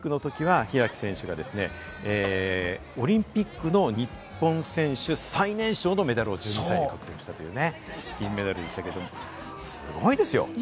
東京オリンピックのときは開選手がオリンピックの日本選手最年少のメダルを獲得したんでしょうね、銀メダルでしたけれども、すごいですよ。